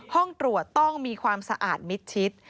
ห้องตรวจต้องมีความสะอาดมิดชิด